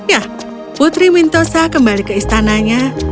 ya putri mintosa kembali ke istananya